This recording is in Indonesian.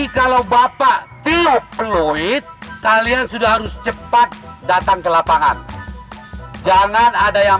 kalau bapak tiup peluit kalian sudah harus cepat datang ke lapangan jangan ada yang